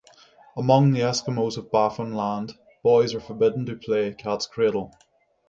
Among the Eskimos of Baffin Land, boys are forbidden to play cat's cradle.